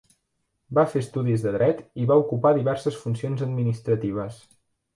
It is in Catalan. Va fer estudis de dret i va ocupar diverses funcions administratives.